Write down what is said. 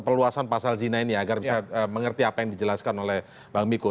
perluasan pasal zina ini agar bisa mengerti apa yang dijelaskan oleh bang miko